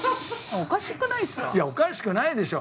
いやおかしくないでしょ。